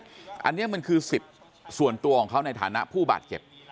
อันนี้มันคือสิทธิ์ส่วนตัวของเขาในฐานะผู้บาดเจ็บ